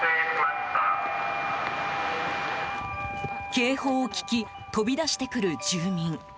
警報を聞き飛び出してくる住民。